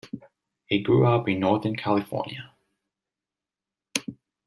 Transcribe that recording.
He grew up in northern California.